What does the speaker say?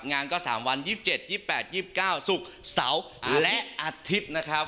งานก็๓วัน๒๗๒๘๒๙ศุกร์เสาร์และอาทิตย์นะครับ